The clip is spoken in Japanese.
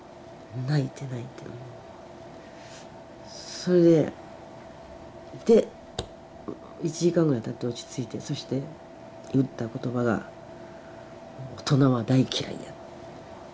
それで１時間ぐらいたって落ち着いてそして言った言葉が「大人は大嫌いや」と。